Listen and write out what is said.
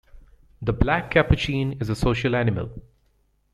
The black capuchin is a social animal.